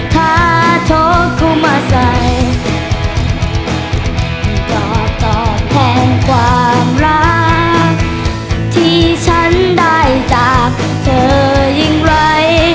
ถ้าโทรเข้ามาใส่ตอบตอบแทนความรักที่ฉันได้จากเธอยิ่งไร